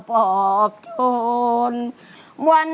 พ่อสาว